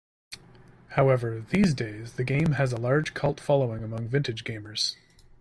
However, these days the game has a large cult following among vintage gamers.